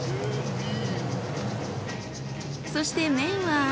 そして麺は。